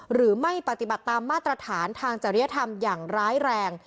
หรือไม่ปฏิบัติตามมาตรฐานทางจริยธรรมอย่างร้ายแรง